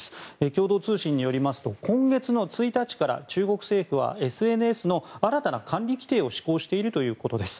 共同通信によりますと今月の１日から中国政府はＳＮＳの新たな管理規定を施行しているということです。